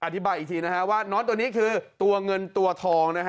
อธิบายอีกทีนะฮะว่าน้อนตัวนี้คือตัวเงินตัวทองนะฮะ